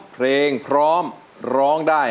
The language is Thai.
เพลงพร้อมร้องได้